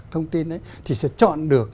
thông tin ấy thì sẽ chọn được